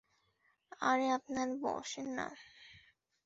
আরে আপনারা বসেন না।